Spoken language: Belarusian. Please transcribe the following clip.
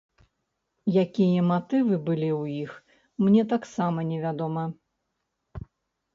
Якія матывы былі ў іх, мне таксама невядома.